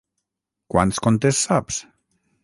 Quants contes saps?